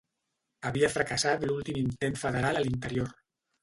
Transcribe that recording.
Havia fracassat l'últim intent federal a l'interior.